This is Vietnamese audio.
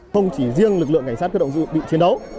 không chỉ riêng lực lượng cảnh sát cơ động dự bị chiến đấu